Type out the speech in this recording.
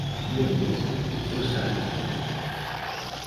Señorías, boas tardes de novo.